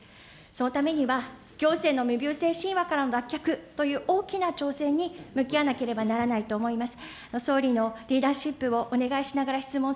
そのためには、行政の無謬性しんわからの脱却という大きな挑戦に向き合わなければならないと思います。